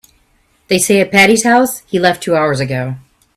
They say at Patti's house he left two hours ago.